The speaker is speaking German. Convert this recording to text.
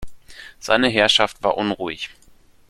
Seine Herrschaft war unruhig.